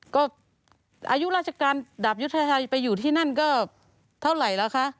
ก็อายุราชการดาบยุทธชัยไปอยู่ที่นั่นก็เท่าไหร่แล้วคะ